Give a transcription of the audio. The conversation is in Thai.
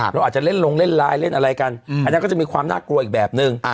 เราอาจจะเล่นลงเล่นไลน์เล่นอะไรกันอันนั้นก็จะมีความน่ากลัวอีกแบบนึง